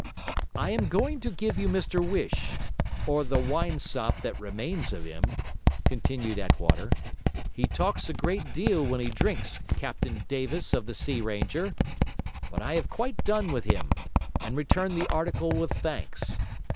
'I am going to give you Mr Whish or the wine sop that remains of him,' continued Attwater. 'He talks a great deal when he drinks, Captain Davis of the Sea Ranger. But I have quite done with him and return the article with thanks.